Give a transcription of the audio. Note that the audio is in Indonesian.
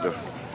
terima kasih pak